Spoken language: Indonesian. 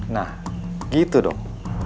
nah gitu dong